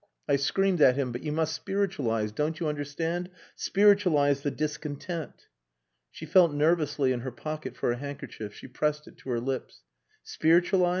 I screamed at him, 'But you must spiritualize don't you understand? spiritualize the discontent.'..." She felt nervously in her pocket for a handkerchief; she pressed it to her lips. "Spiritualize?"